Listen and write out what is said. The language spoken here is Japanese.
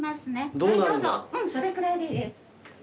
うんそれくらいでいいです。